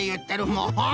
もう！